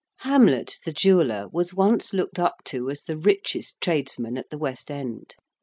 Hamlet, the jeweller, was once looked up to as the richest tradesman at the West End.